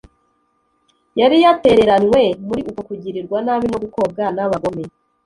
Yari yatereranywe muri uko kugirirwa nabi no gukobwa n'abagome.